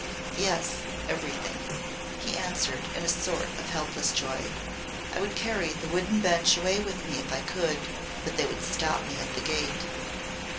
"Yes everything," he answered in a sort of helpless joy. "I would carry the wooden bench away with me if I could. But they would stop me at the gate."